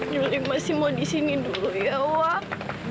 dulu masih mau di sini dulu ya wak